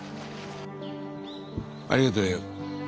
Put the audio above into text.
ありがとよ。